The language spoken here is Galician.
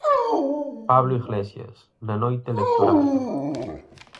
Pablo Iglesias, na noite electoral.